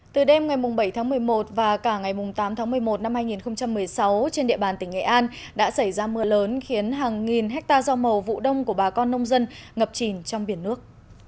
từ đêm ngày bảy tháng một mươi một và cả ngày tám tháng một mươi một năm hai nghìn một mươi sáu trên địa bàn tỉnh nghệ an đã xảy ra mưa lớn khiến hàng nghìn hectare rau màu vụ đông của bà con nông dân ngập chìm trong biển nước